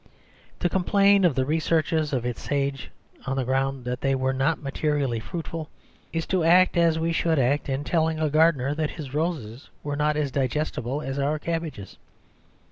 To complain of the researches of its sages on the ground that they were not materially fruitful, is to act as we should act in telling a gardener that his roses were not as digestible as our cabbages.